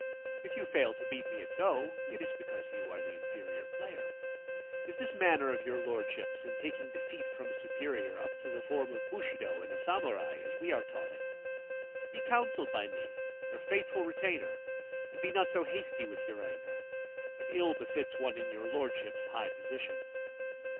If you fail to beat me at go, it is because you are the inferior player. Is this manner of your Lordship's in taking defeat from a superior up to the form of bushido in a samurai, as we are taught it ? Be counselled by me, your faithful retainer, and be not so hasty with your anger — it ill befits one in your Lordship's high position.'